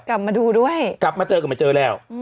กลับมาดูด้วยกลับมาเจอก็ไม่เจอแล้ว